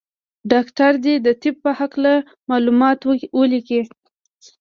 ډاکټر دي د طب په هکله معلومات ولیکي.